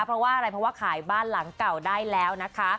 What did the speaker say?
เพราะว่าอะไรเพราะว่าขายบ้านหลังเก่าได้แล้วนะคะ